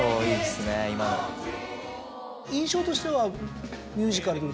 印象としては。